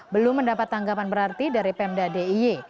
belum mendapat tanggapan berarti dari pemda diy